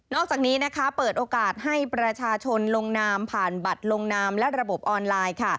อกจากนี้เปิดโอกาสให้ประชาชนลงนามผ่านบัตรลงนามและระบบออนไลน์